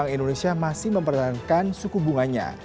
bank indonesia masih mempertahankan suku bunganya